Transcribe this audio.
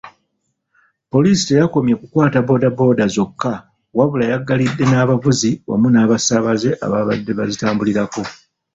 Poliisi teyakomye kukwata boda boda zokka, wabula yaggalidde n'abavuzi wamu n'abasaabaze abaabadde bazitambuliriko.